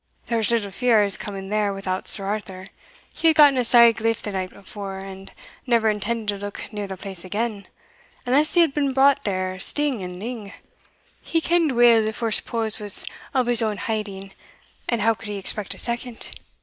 "There was little fear o' his coming there without Sir Arthur: he had gotten a sair gliff the night afore, and never intended to look near the place again, unless he had been brought there sting and ling. He ken'd weel the first pose was o' his ain hiding, and how could he expect a second?